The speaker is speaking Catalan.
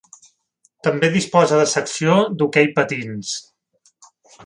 També disposa de secció d'hoquei patins.